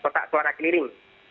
kotak suara keliling